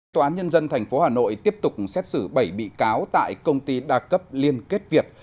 tòa án nhân dân tp hà nội tiếp tục xét xử bảy bị cáo tại công ty đa cấp liên kết việt